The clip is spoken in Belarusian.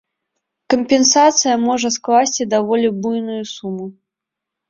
Кампенсацыя можа скласці даволі буйную суму.